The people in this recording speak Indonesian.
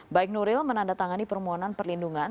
baik nuril menandatangani permohonan perlindungan